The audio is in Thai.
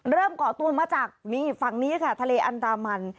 ก่อตัวมาจากนี่ฝั่งนี้ค่ะทะเลอันดามัน